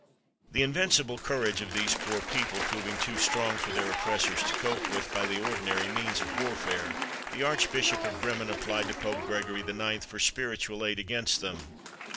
The invincible courage of these poor people proving too strong for their oppressors to cope with by the ordinary means of warfare, the Archbishop of Bremen applied to Pope Gregory IX. for his spiritual aid against them.